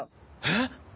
えっ？